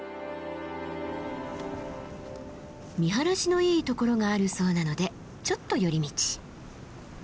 見晴らしのいいところがあるそうなのでちょっと寄り道。